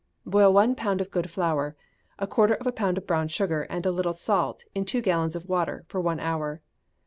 Boil one pound of good flour, a quarter of a pound of brown sugar, and a little salt, in two gallons of water, for one hour.